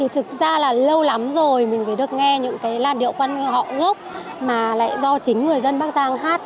thực ra là lâu lắm rồi mình phải được nghe những cái làn điệu quan họ ngốc mà lại do chính người dân bắc giang hát